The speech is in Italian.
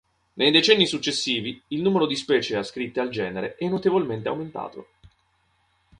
Nei decenni successivi il numero di specie ascritte al genere è notevolmente aumentato.